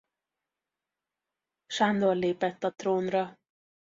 Sándor lépett a trónra.